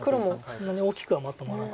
そんなに大きくはまとまらないです。